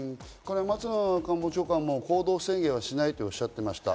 松野官房長官も行動制限はしないとおっしゃっていました。